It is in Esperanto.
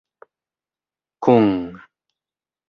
kun